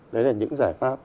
đấy là những giải pháp